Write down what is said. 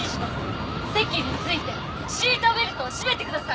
席に着いてシートベルトを締めてください！